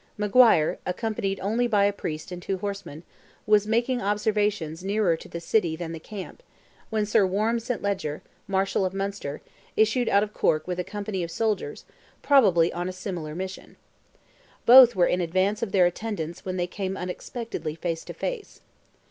Maguire, accompanied only by a Priest and two horsemen, was making observations nearer to the city than the camp, when Sir Warham St. Leger, Marshal of Munster, issued out of Cork with a company of soldiers, probably on a similar mission. Both were in advance of their attendants when they came unexpectedly face to face.